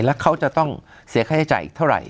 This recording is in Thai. แล้วเขาจะต้องเสียค่าใช้จ่ายเท่าไหร่